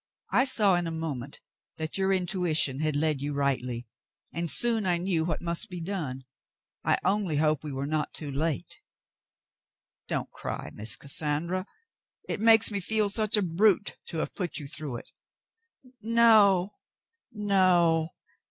I saw in a moment that your intuition had led you rightly, and soon I knew what must be done; I only hope we were not too late. Don't cry, Miss Cassandra. It makes me feel such a brute to have put you through it." "No, no.